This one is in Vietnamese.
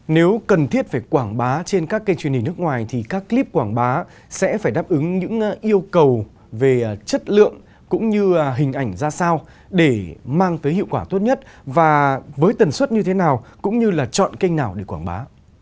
nếu cần thiết phải quảng bá trên các kênh truyền hình nước ngoài thì các clip quảng bá sẽ phải đáp ứng những yêu cầu về chất lượng cũng như hình ảnh ra sao để mang tới hiệu quả tốt nhất và với tần suất như thế nào cũng như là chọn kênh nào để quảng bá